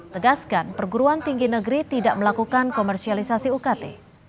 tegaskan perguruan tinggi negeri tidak melakukan komersialisasi ukt